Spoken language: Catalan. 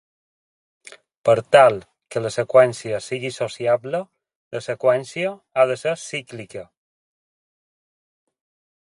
Per tal que la seqüència sigui sociable, la seqüència ha de ser cíclica.